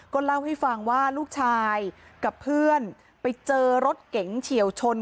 เล่าให้ฟังว่าลูกชายกับเพื่อนไปเจอรถเก๋งเฉียวชน